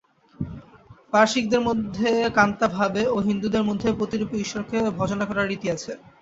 পারসীকদের মধ্যে কান্তাভাবে এবং হিন্দুদের মধ্যে পতিরূপে ঈশ্বরকে ভজনা করার রীতি আছে।